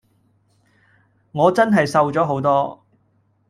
我真係瘦咗好多！